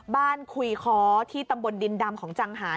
คุยค้อที่ตำบลดินดำของจังหาร